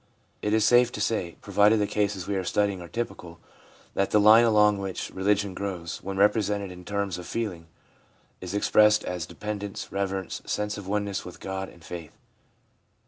It is safe to say, provided the cases we are studying are typical, that the line along which religion grows, when represented in terms of feeling, is expressed as dependence, reverence, sense of oneness with God, and faith.